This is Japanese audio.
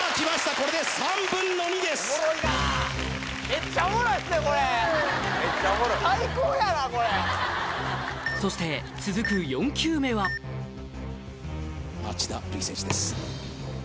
これで３分の２ですそして続く４球目は町田瑠唯選手です